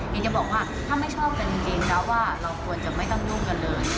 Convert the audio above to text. มีจะบอกว่าถ้าไม่ชอบกันจริงนะว่าเราควรจะไม่ต้องยุ่งกันเลย